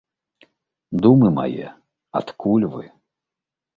Думы мае, адкуль вы?